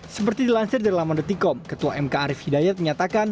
seperti dilansir dari laman detikom ketua mk arief hidayat menyatakan